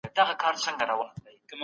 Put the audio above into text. کله چي عسکر نسته نو جزيه مه اخلئ.